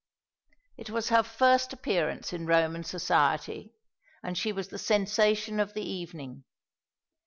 It was her first appearance in Roman society, and she was the sensation of the evening.